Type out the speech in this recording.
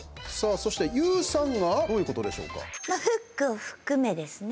そしてＹＯＵさんがどういうことでしょうか？